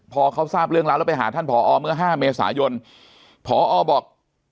พอเขาทราบเรื่องแล้วแล้วไปหาท่านผอเมื่อ๕เมษายนพอบอก